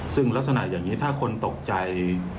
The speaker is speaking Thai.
ซึ่งลักษณะอย่างนี้ถ้าคนตกใจ